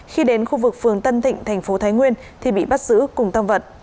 khi đến khu vực phường tân thịnh tp thái nguyên thì bị bắt giữ cùng tăng vật